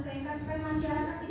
terima kasih pak